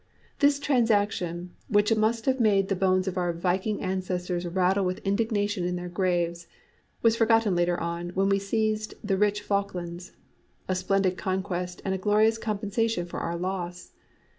This transaction, which must have made the bones of our Viking ancestors rattle with indignation in their graves, was forgotten later on when we seized the rich Falklands. A splendid conquest and a glorious compensation for our loss!